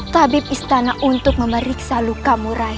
tabib istana untuk memeriksa luka murai